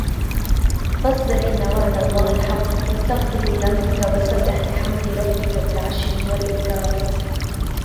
فَاصْبِرْ إِنَّ وَعْدَ اللَّهِ حَقٌّ وَاسْتَغْفِرْ لِذَنْبِكَ وَسَبِّحْ بِحَمْدِ رَبِّكَ بِالْعَشِيِّ وَالْإِبْكَارِ